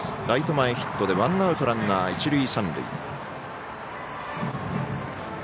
ライト前ヒットでワンアウトランナー、一塁三塁。